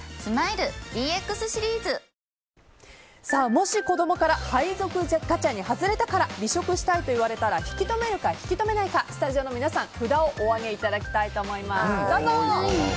もし子供から配属ガチャに外れたから離職したいと言われたら引き止めるか、引き止めないかスタジオの皆さん、札をお上げいただきたいと思います。